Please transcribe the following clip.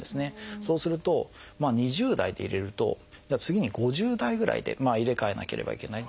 そうすると２０代で入れると次に５０代ぐらいで入れ替えなければいけない。